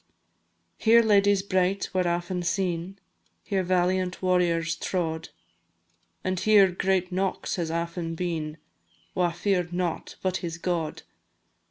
Here ladies bright were aften seen, Here valiant warriors trod; And here great Knox has aften been, Wha fear'd nought but his God!